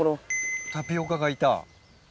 タピオカがいた？